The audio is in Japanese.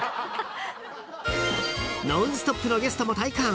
［『ノンストップ！』のゲストも体感］